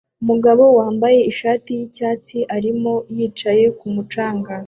Umugabo wambaye ishati yicyatsi arimo yicaye kumu canga